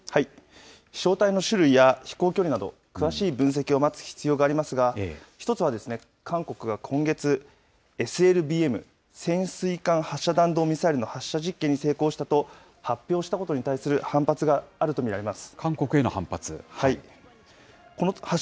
飛しょう体の種類や飛行距離など、詳しい分析を待つ必要がありますが、１つは、韓国が今月、ＳＬＢＭ・潜水艦発射弾道ミサイルの発射実験に成功したと発表したことに対する反発があると見られます。